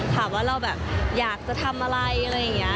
ถามว่าเราแบบอยากจะทำอะไรอะไรอย่างนี้